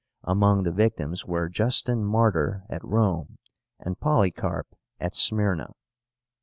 Among the victims were Justin Martyr at Rome, and Polycarp at Smyrna.